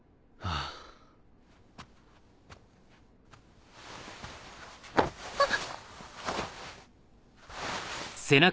あっ！